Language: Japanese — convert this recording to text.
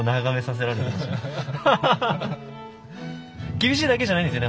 厳しいだけじゃないんですよね